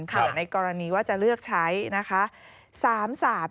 ส่วนในกรณีว่าจะเลือกใช้นะคะ